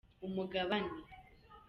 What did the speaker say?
umugabane.